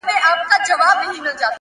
• نه په سیند نه په ویالو کي به بهیږي ,